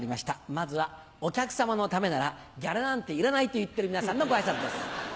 まずは「お客さまのためならギャラなんていらない」と言ってる皆さんのご挨拶です。